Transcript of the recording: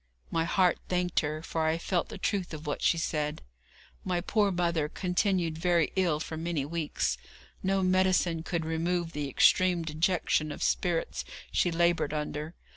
My heart thanked her, for I felt the truth of what she said. My poor mother continued very ill for many weeks. No medicine could remove the extreme dejection of spirits she laboured under.